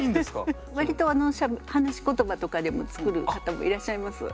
割と話し言葉とかでも作る方もいらっしゃいます。